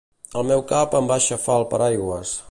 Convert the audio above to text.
El meu cap em va aixafar el paraigües